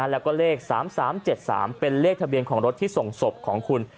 แล้วก็เลข๓๓๗๓เป็นเลขทะเบียนของรถที่ส่งศพของคุณ